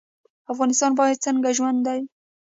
افغانستان باید څنګه ژوندی وي؟